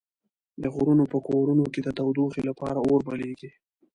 د غرونو په کورونو کې د تودوخې لپاره اور بليږي.